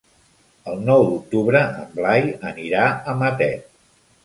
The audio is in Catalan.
El nou d'octubre en Blai anirà a Matet.